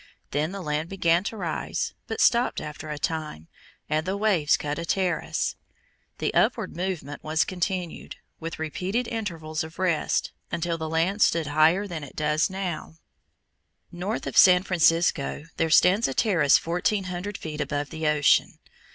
Then the land began to rise, but stopped after a time, and the waves cut a terrace. The upward movement was continued, with repeated intervals of rest, until the land stood higher than it does now. [Illustration: FIG. 35. WAVE CUT TERRACES Point San Pedro, California] North of San Francisco there stands a terrace fourteen hundred feet above the ocean.